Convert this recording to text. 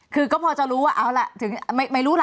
คือก็พอจะรู้ว่าเอาล่ะถึงไม่รู้ล่ะ